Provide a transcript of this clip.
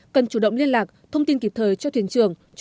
cần chủ động liên lạc thông tin kịp thời cho thiền trường